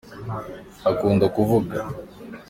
akunda kuvuga